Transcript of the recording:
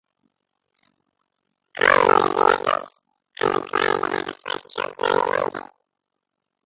All motor vehicles are required to have a four stroke marine engine.